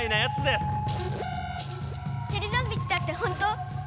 テレゾンビ来たって本当？